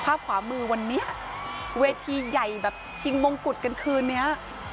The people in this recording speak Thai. ขวามือวันนี้เวทีใหญ่แบบชิงมงกุฎกันคืนนี้